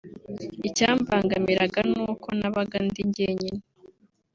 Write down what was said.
icyambangamiraga ni uko nabaga ndi njyenyine